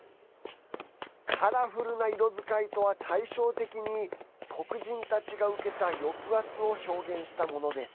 カラフルな色使いとは対照的に黒人たちが受けた抑圧を表現したものです。